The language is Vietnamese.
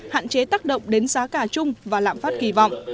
hạn chế tác động đến giá cả chung và lạm phát kỳ vọng